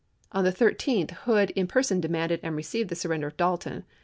On the 13th, Hood in person demanded and re ceived the surrender of Dalton.